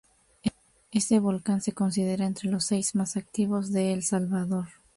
Este volcán se considera entre los seis más activos de El Salvador.